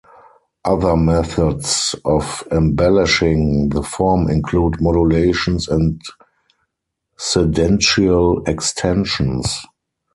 Other methods of embellishing the form include modulations and cadential extensions.